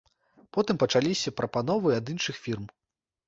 Потым пачаліся прапановы ад іншых фірм.